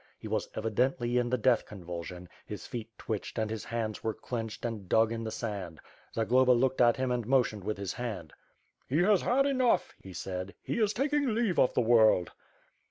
He was evidently in the death convulsion, his feet twitehed and his hands were clenched and dug in the sand. Zagloba looked at him and motioned with his hand. "He has had enough," he said, "he is taking leave of the world."